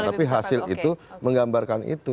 tapi hasil itu menggambarkan itu